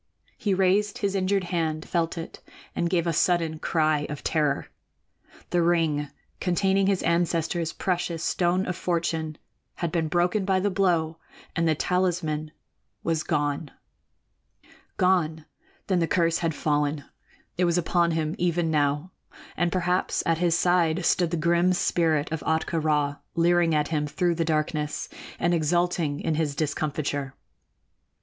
He raised his injured hand, felt it, and gave a sudden cry of terror. The ring containing his ancestor's precious Stone of Fortune had been broken by the blow and the talisman was gone. Gone! Then the curse had fallen. It was upon him even now, and perhaps at his side stood the grim spirit of Ahtka Rā, leering at him through the darkness and exulting in his discomfiture.